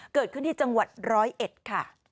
เกิดขึ้นที่จังหวัดร้อยเอ็ดค่ะ